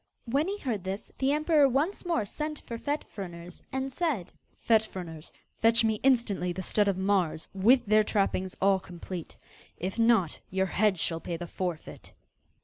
When he heard this, the emperor once more sent for Fet Fruners, and said: 'Fet Fruners, fetch me instantly the stud of mares, with their trappings all complete. If not, your head shall pay the forfeit.